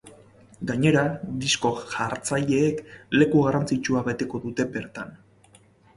Gainera, disko-jartzaileek leku garrantzitsua beteko dute bertan.